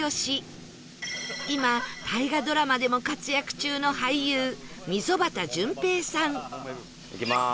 今大河ドラマでも活躍中の俳優溝端淳平さんいきます！